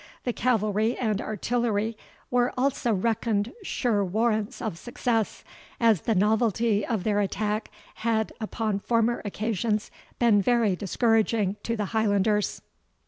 The cavalry and artillery were also reckoned sure warrants of success, as the novelty of their attack had upon former occasions been very discouraging to the Highlanders.